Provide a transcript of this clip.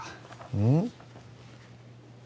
うん？